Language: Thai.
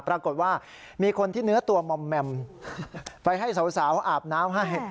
ปรากฏว่ามีคนที่เนื้อตัวมอมแมมไปให้สาวเขาอาบน้ำให้